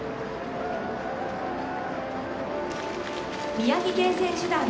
宮城県選手団。